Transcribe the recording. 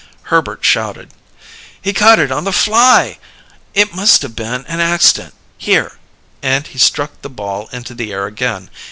Herbert shouted. "He caught it on the fly! It must have been an accident. Here " And he struck the ball into the air again.